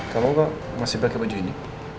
kalau enggak masih pake baju ini